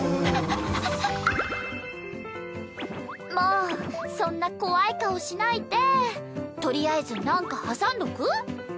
もうそんな怖い顔しないでとりあえずなんか挟んどく？